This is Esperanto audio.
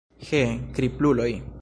He, kripluloj!